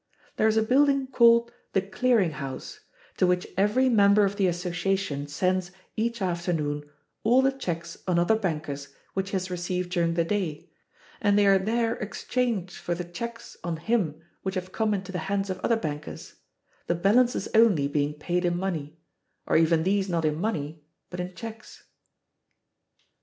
There is a building called the Clearing House, to which every [member of the association] sends, each afternoon, all the checks on other bankers which he has received during the day, and they are there exchanged for the checks on him which have come into the hands of other bankers, the balances only being paid in money; or even these not in money, but in checks.